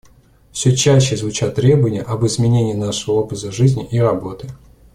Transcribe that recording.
Все чаще звучат требования об изменении нашего образа жизни и работы.